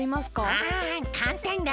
ああかんたんだ